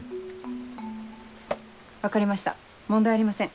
分かりました問題ありません